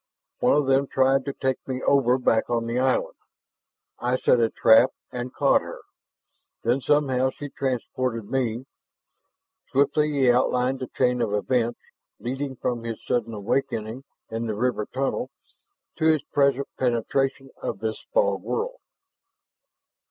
One of them tried to take me over back on the island. I set a trap and caught her; then somehow she transported me " Swiftly he outlined the chain of events leading from his sudden awakening in the river tunnel to his present penetration of this fog world.